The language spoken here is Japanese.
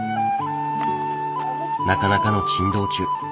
なかなかの珍道中。